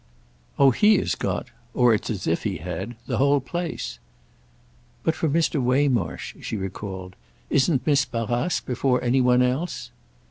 "Oh he has got—or it's as if he had—the whole place." "But for Mr. Waymarsh"—she recalled—"isn't Miss Barrace before any one else?"